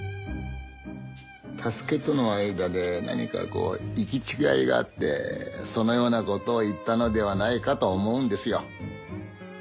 太助との間で何かこう行き違いがあってそのようなことを言ったのではないかと思うんですよ。